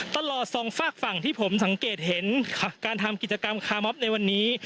สองฝากฝั่งที่ผมสังเกตเห็นการทำกิจกรรมคาร์มอฟในวันนี้